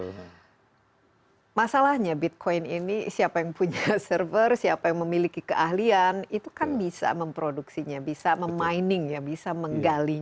karena masalahnya bitcoin ini siapa yang punya server siapa yang memiliki keahlian itu kan bisa memproduksinya bisa memining bisa menggalinya